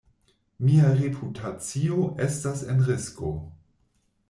Mia reputacio estas en risko.